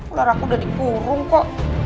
ular aku udah dikurung kok